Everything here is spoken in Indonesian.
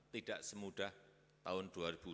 tidak semudah tahun dua ribu dua puluh